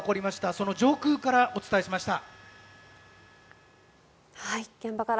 その上空からお伝えしました。